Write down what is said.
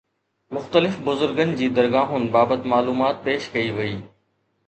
مختلف بزرگن جي درگاهن بابت معلومات پيش ڪئي وئي